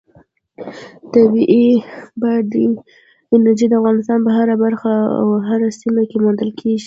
طبیعي بادي انرژي د افغانستان په هره برخه او هره سیمه کې موندل کېږي.